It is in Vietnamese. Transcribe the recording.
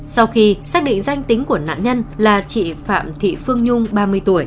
sau khi xác định danh tính của nạn nhân là chị phạm thị phương nhung ba mươi tuổi